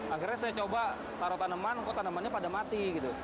akhirnya saya coba taruh tanaman kok tanamannya pada mati gitu